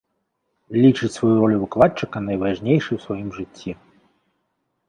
Лічыць сваю ролю выкладчыка найважнейшай у сваім жыцці.